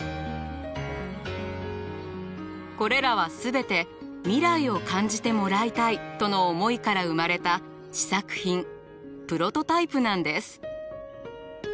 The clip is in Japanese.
これらは全て未来を感じてもらいたいとの思いから生まれた試作品プロトタイプなんです。